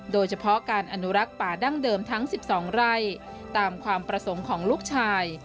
โดยเฉพาะการอนุรักษ์ป่าดั้งเดิมทั้ง๑๒ไร่ตามความประสงค์ของลูกชาย